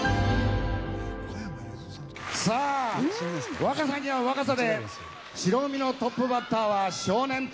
若さには若さで白組のトップバッターは少年隊。